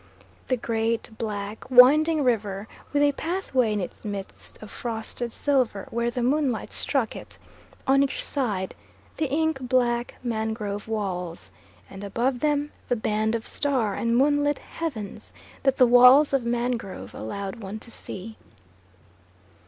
The great, black, winding river with a pathway in its midst of frosted silver where the moonlight struck it: on each side the ink black mangrove walls, and above them the band of star and moonlit heavens that the walls of mangrove allowed one to see.